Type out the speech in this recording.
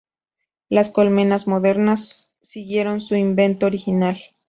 Las colmenas modernas siguieron su invento original.